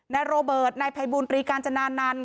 นายโรเบิร์ตนายภัยบูรณ์ตรีกาญจนานนัน